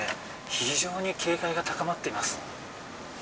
非常に警戒が高まっています。